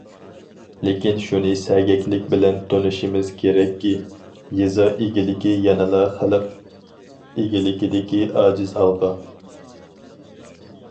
لېكىن، شۇنى سەگەكلىك بىلەن تونۇشىمىز كېرەككى، يېزا ئىگىلىكى يەنىلا خەلق ئىگىلىكىدىكى ئاجىز ھالقا.